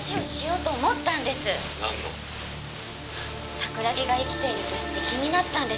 「桜木が生きていると知って気になったんです」